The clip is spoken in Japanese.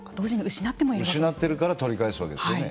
失っているから取り返すわけですよね。